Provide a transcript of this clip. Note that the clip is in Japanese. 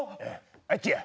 あっちや。